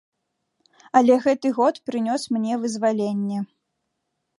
Але гэты год прынёс мне вызваленне.